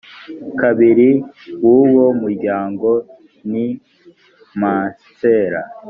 kabiri w uwo muryango ni masera